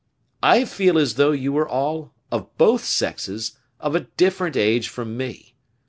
"I feel as though you are all, of both sexes, of a different age from me.